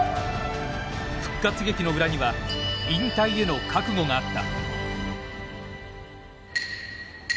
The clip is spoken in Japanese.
復活劇の裏には引退への覚悟があった。